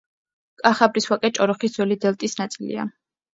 კახაბრის ვაკე ჭოროხის ძველი დელტის ნაწილია.